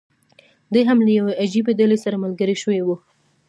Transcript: دی هم له یوې عجیبي ډلې سره ملګری شوی و.